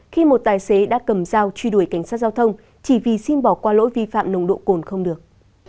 khi một tài xế đã cầm dao truy đuổi cảnh sát giao thông chỉ vì xin bỏ qua lỗi vi phạm nồng độ cồn không được